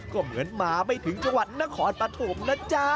ก็เหมือนมาไม่ถึงจังหวัดนครปฐมนะจ๊ะ